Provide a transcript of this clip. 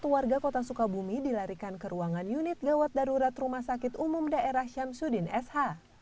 satu warga kota sukabumi dilarikan ke ruangan unit gawat darurat rumah sakit umum daerah syamsuddin sh